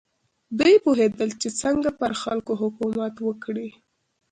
دوی پوهېدل چې څنګه پر خلکو حکومت وکړي.